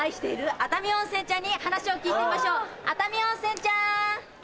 熱海温泉ちゃん。